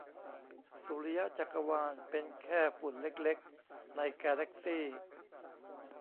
สุริยจักรวาล เป็นแค่ฝุ่นเล็กเล็ก ในกาแลกซี่